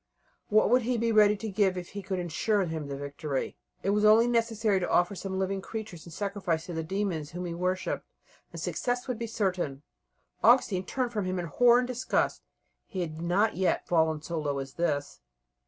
What would he be ready to give if he could insure him the victory? It was only necessary to offer some living creatures in sacrifice to the demons whom he worshipped and success would be certain. Augustine turned from him in horror and disgust. He had not yet fallen so low as this.